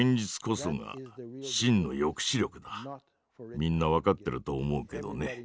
みんな分かってると思うけどね。